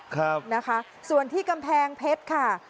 ครับนะคะส่วนที่กำแพงเพชรค่ะ